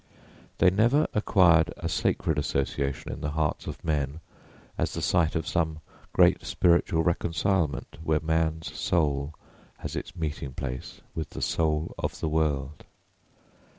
They never acquired a sacred association in the hearts of men as the site of some great spiritual reconcilement where man's soul has its meeting place with the soul of the world.